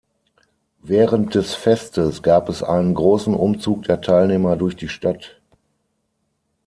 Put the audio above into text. Während des Festes gab es einen großen Umzug der Teilnehmer durch die Stadt.